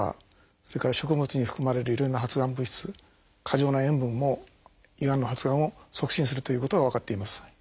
それから食物に含まれるいろんな発がん物質過剰な塩分も胃がんの発がんを促進するということが分かっています。